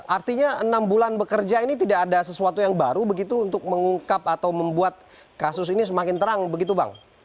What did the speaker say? artinya enam bulan bekerja ini tidak ada sesuatu yang baru begitu untuk mengungkap atau membuat kasus ini semakin terang begitu bang